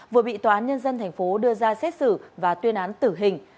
vừa bị tòa án nhân dân thành phố đưa ra xét xử và tuyên án tử hình